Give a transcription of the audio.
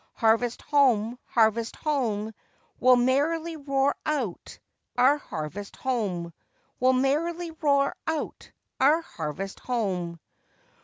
Harvest home! harvest home! We'll merrily roar out our harvest home! We'll merrily roar out our harvest home!